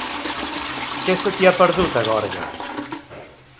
Què se t'hi ha perdut, a Gorga?